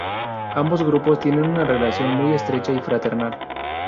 Ambos grupos tienen una relación muy estrecha y fraternal.